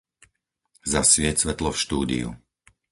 Zasvieť svetlo v štúdiu.